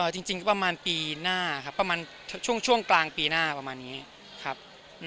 จริงก็ประมาณปีหน้าครับประมาณช่วงกลางปีหน้าประมาณนี้ครับ